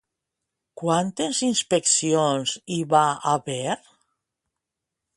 Quantes inspeccions hi va haver?